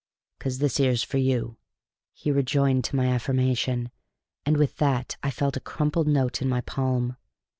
"'Cause this 'ere's for you," he rejoined to my affirmative, and with that I felt a crumpled note in my palm.